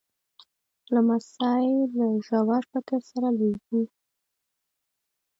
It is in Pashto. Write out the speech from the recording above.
لمسی له ژور فکر سره لویېږي.